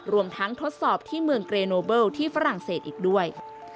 รวมทั้งทดสอบที่เมืองเกรโนเบิลที่ฝรั่งเศสอีกด้วย